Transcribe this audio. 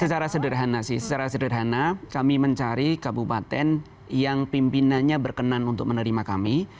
secara sederhana sih secara sederhana kami mencari kabupaten yang pimpinannya berkenan untuk menerima kami